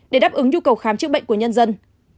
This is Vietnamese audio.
để đáp ứng nhu cầu khám chữa bệnh của nhân dân